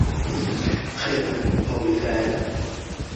خَيْرٌ مِنْ الْقَوْلِ فَاعِلُهُ